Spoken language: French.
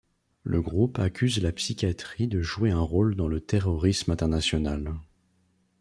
Le groupe accuse la psychiatrie de jouer un rôle dans le terrorisme international.